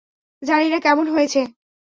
জানিনা কেমন হয়েছে।